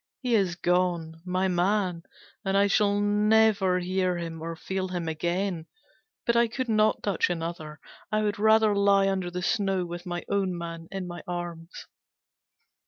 He is gone, my man, I shall never hear him or feel him again, but I could not touch another. I would rather lie under the snow with my own man in my arms!